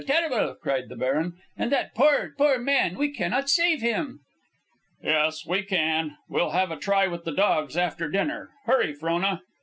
terrible!" cried the baron. "And that poor, poor man, we cannot save him!" "Yes, we can. We'll have a try with the dogs after dinner. Hurry, Frona."